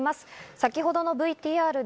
先ほどのＶＴＲで